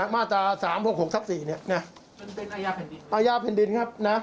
มาตรา๓๖๖ทรัพย์๔เนี่ยเป็นอาญาแผ่นดินอาญาแผ่นดินครับนะ